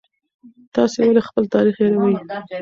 تاسې ولې خپل تاریخ هېروئ؟